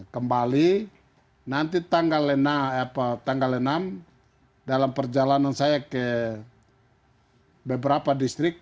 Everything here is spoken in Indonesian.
kembali nanti tanggal enam dalam perjalanan saya ke beberapa distrik